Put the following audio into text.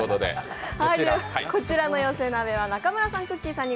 こちらの寄せ鍋は中村さん、くっきー！さんに